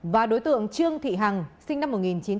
và đối tượng trương thị hằng sinh năm một nghìn chín trăm sáu mươi năm